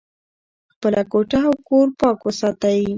خپله کوټه او کور پاک وساتئ.